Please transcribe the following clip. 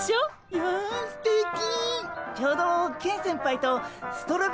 やんすてき！